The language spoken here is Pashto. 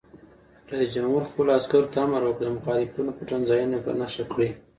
رئیس جمهور خپلو عسکرو ته امر وکړ؛ د مخالفینو پټنځایونه په نښه کړئ!